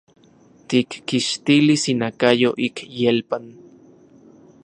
Tikkixtilis inakayo ik ielpan.